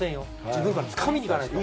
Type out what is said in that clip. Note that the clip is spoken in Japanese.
自分からつかみにいかないと！